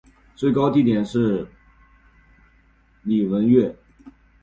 最高地点是礼文岳。